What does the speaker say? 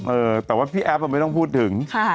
เออแต่ว่าพี่แอฟไม่ต้องพูดถึง